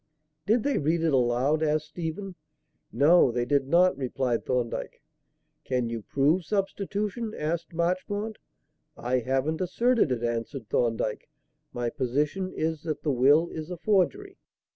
"Did they read it aloud?" asked Stephen. "No, they did not," replied Thorndyke. "Can you prove substitution?" asked Marchmont. "I haven't asserted it," answered Thorndyke, "My position is that the will is a forgery."